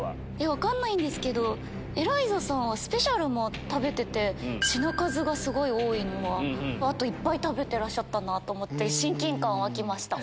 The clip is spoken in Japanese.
分かんないんですけどエライザさんはスペシャルメニューも食べてて品数がすごい多いのはあといっぱい食べてらしたと思って親近感湧きました。